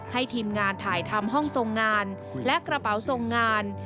ทีมงานถ่ายทำห้องทรงงานและกระเป๋าทรงงาน